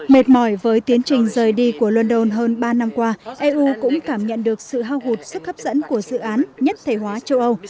mệt mỏi với tiến trình rời đi của london hơn ba năm qua eu cũng cảm nhận được sự hao hụt sức hấp dẫn của dự án nhất thể hóa châu âu